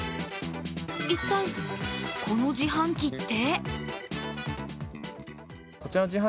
一体この自販機って？